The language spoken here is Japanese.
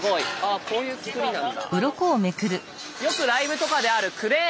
あこういう作りなんだ。